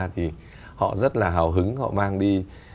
thì họ rất là hào hứng họ mang đi